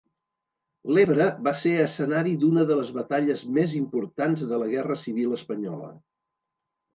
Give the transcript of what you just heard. L'Ebre va ser escenari d'una de les batalles més importants de la Guerra Civil espanyola.